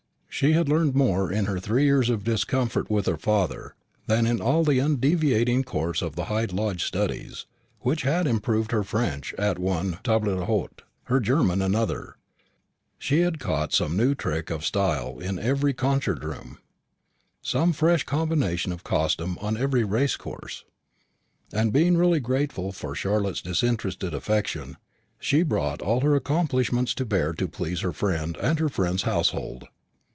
She had learned more in her three years of discomfort with her father than in all the undeviating course of the Hyde Lodge studies; she had improved her French at one table d'hôte, her German at another; she had caught some new trick of style in every concert room, some fresh combination of costume on every racecourse; and, being really grateful for Charlotte's disinterested affection, she brought all her accomplishments to bear to please her friend and her friend's household.